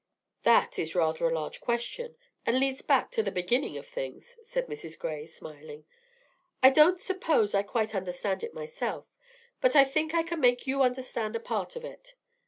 "That is rather a large question, and leads back to the beginning of things," said Mrs. Gray, smiling. "I don't suppose I quite understand it myself, but I think I can make you understand a part of it.